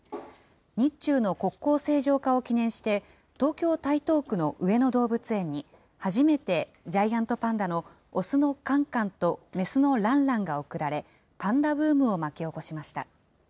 日中の国交正常化を記念して、東京・台東区の上野動物園に、初めてジャイアントパンダの雄のカンカンと雌のランランが贈られ、パンダブームを巻き起こしました。